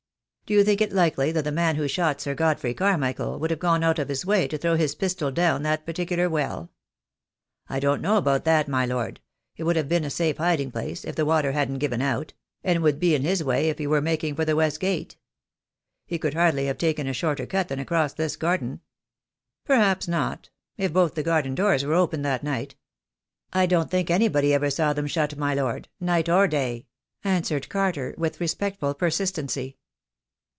Do you think it likely that the man who shot Sir God frey Carmichael would have gone out of his way to throw his pistol down that particular well?" "I don't know about that, my lord; it would have been a safe hiding place, if the water hadn't given out — and it would be in his way if he were making for the West Gate. He could hardly have taken a shorter cut than across this garden." "Perhaps not — if both the garden doors were open that night." "I don't think anybody ever saw them shut, my lord, night or day," answered Carter, with respectful persistency.